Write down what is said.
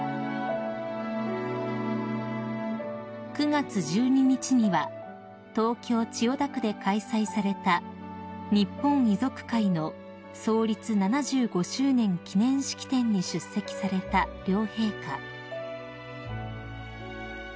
［９月１２日には東京千代田区で開催された日本遺族会の創立７５周年記念式典に出席された両陛下］